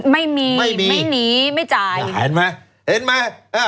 ไม่มีไม่นื้อไม่จ่ายไม่มียังเห็นไหม